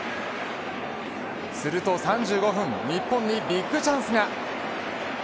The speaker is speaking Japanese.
すると３５分、日本にビッグチャンスが。